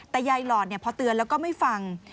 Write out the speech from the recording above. แต่ยายหลอดพอเตือนแล้วก็ไม่ฟัง